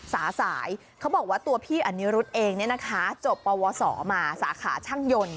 สายเขาบอกว่าตัวพี่อนิรุธเองเนี่ยนะคะจบปวสอมาสาขาช่างยนต์